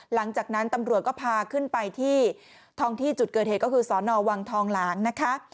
หลังจากนั้นตำรวจก็พาขึ้นไปที่ท้องที่จุดเกิดเหตุก็คือสอนอวังทองหลางนะคะ